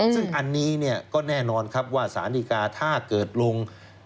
ซึ่งอันนี้เนี่ยก็แน่นอนครับว่าสารดีกาถ้าเกิดลง